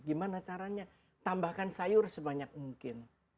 gimana caranya tambahkan sayur sebanyak mungkin